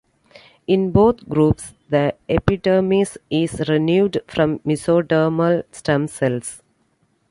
In both groups, the epidermis is renewed from mesodermal stem cells.